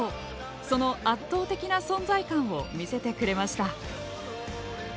その圧倒的な存在感を見せてくれました。